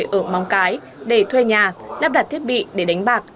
thì phải ở móng cái để thuê nhà lắp đặt thiết bị để đánh bạc